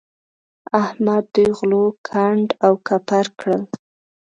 احمد دوی غلو کنډ او کپر کړل.